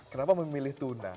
kenapa memilih tuna